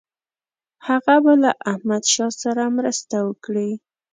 هغه به له احمدشاه سره مرسته وکړي.